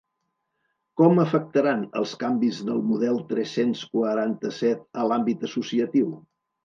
Com afectaran els canvis del model tres-cents quaranta-set a l'àmbit associatiu?